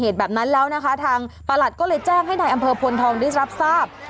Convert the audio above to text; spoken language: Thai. ทางประหลัดก็เลยแจ้งให้นายอำเภอพวนทองได้รับทราบ